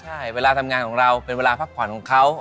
ใช่เวลาทำงานของเราเป็นเวลาพักผ่อนของเขา